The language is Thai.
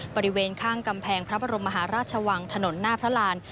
บริเวณข้างกำแพงพระบรมมหาราชวังถนนหน้าพระราน